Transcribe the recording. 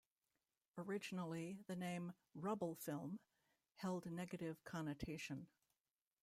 Originally, the name "rubble film" held negative connotation.